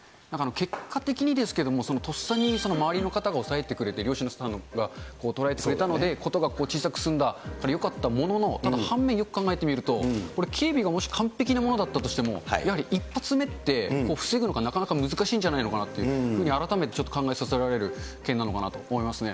結果的にですけれども、とっさに周りの方が押さえてくれて、漁師の方が捕らえてくれたので、事が小さく済んだからよかったものの、ただ反面、よく考えてみると、これ、警備がもし完璧なものだったとしても、やはり１発目って、防ぐのがなかなか難しいんじゃないかなと、改めてちょっと考えさせられる件なのかなと思いましたね。